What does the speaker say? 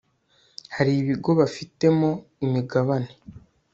hari ibigo bafitemo imigabane